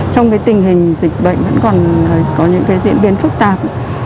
trong tình hình dịch bệnh vẫn còn có những diễn biến phức tạp